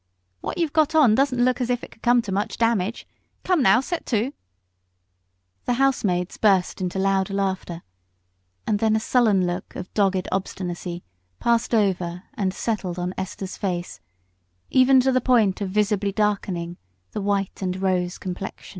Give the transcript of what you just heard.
"What you've got on don't look as if it could come to much damage. Come, now, set to." The housemaids burst into loud laughter, and then a sullen look of dogged obstinacy passed over and settled on Esther's face, even to the point of visibly darkening the white and rose complexion.